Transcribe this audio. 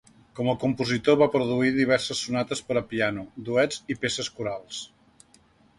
Com a compositor va produir diverses sonates per a piano, duets i peces corals.